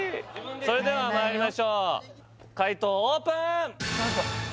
それではまいりましょう解答オープン！